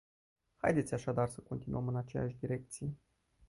Haideți așadar să continuăm în aceeași direcție.